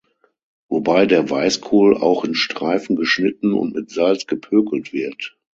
Wobei der Weißkohl auch in Streifen geschnitten und mit Salz gepökelt wird.